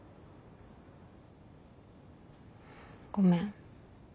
ごめん。